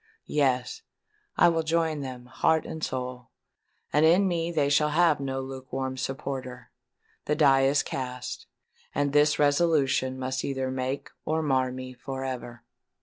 Yes—I will join them, heart and soul; and in me they shall have no lukewarm supporter! The die is cast;—and this resolution must either make or mar me for ever!"